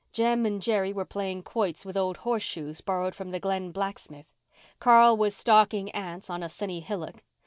Jem and Jerry were playing quoits with old horseshoes borrowed from the Glen blacksmith. Carl was stalking ants on a sunny hillock.